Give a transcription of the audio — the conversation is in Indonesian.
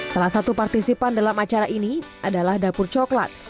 salah satu partisipan dalam acara ini adalah dapur coklat